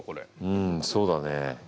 うんそうだね。